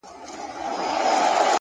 د رڼاگانو شيسمحل کي به دي ياده لرم.